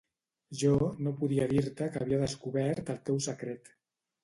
Jo no podia dir-te que havia descobert el teu secret.